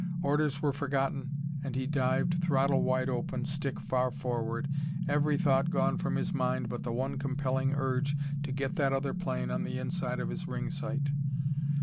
Orders were forgotten and he dived, throttle wide open, stick far forward, every thought gone from his mind but the one compelling urge to get that other plane on the inside of his ring sight.